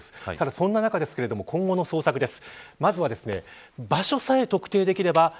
そんな中、今後の捜索です。